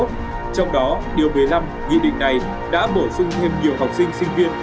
trong đó điều một mươi năm nghị định này đã bổ sung thêm nhiều học sinh sinh viên